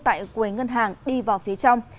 tại quầy ngân hàng đi vào phía trong